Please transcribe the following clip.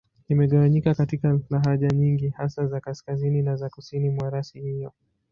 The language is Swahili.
Imegawanyika katika lahaja nyingi, hasa za Kaskazini na za Kusini mwa rasi hiyo.